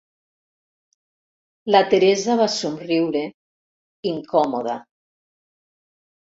La Teresa va somriure, incòmoda.